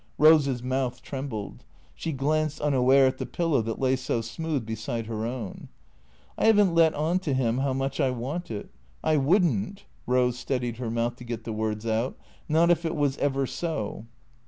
Rose's mouth trembled. She glanced unaware at the pillow that lay so smooth beside her own. " I 'ave n't let on to him how much I want it. I would n't " (Rose steadied her mouth to get the words out) ." Not if it was ever so."